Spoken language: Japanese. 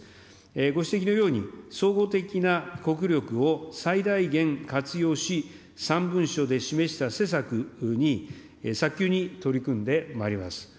ご指摘のように、総合的な国力を最大限活用し、３文書で示した施策に、早急に取り組んでまいります。